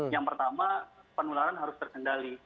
yang pertama penularan harus terkendali